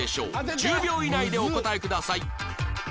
１０秒以内でお答えください